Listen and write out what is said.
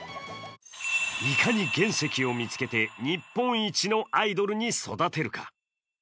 いかに原石を見つけて日本一のアイドルに育てるか。